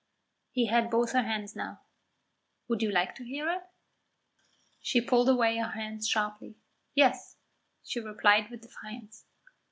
He had both her hands now. "Would you like to hear it?" She pulled away her hands sharply. "Yes," she replied with defiance.